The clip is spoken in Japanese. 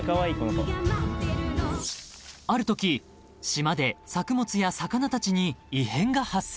［あるとき島で作物や魚たちに異変が発生］